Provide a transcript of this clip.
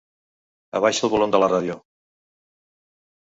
Abaixa el volum de la ràdio.